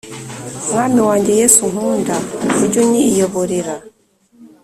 Mwami wanjye Yesu nkunda, ujy’ unyiyoborera.